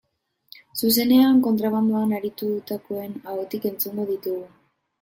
Zuzenean, kontrabandoan aritutakoen ahotik entzungo ditugu.